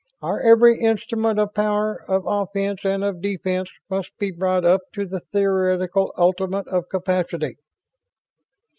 Our every instrument of power, of offense and of defense, must be brought up to the theoretical ultimate of capability."